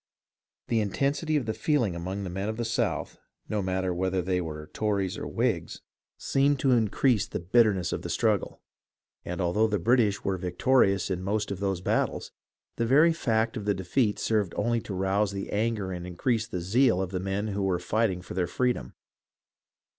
The intensity of the feeling among the men of the South, no matter whether they were Tories or Whigs, 317 3l8 HISTORY OF THE AMERICAN REVOLUTION seemed to increase the bitterness of the struggle, and although the British were victorious in the most of the battles, the very fact of the defeats served only to rouse the anger and increase the zeal of the men who were fightino for their freedom.